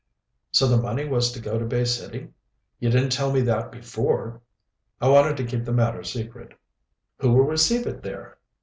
"So the money was to go to Bay City. You didn't tell me that before." "I wanted to keep the matter secret." "Who will receive it there?"